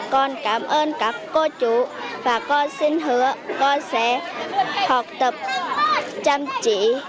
con cảm ơn các cô chủ và con xin hứa con sẽ học tập chăm chỉ